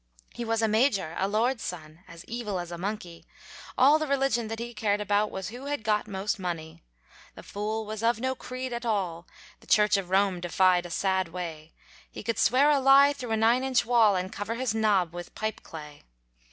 He was a Major, a Lord's son, As evil as a monkey, All the religion that he cared about, Was who had got most money; The fool was of no creed at all, The Church of Rome defied a sad way, He could swear a lie thro' a nine inch wall, And cover his nob with pipeclay.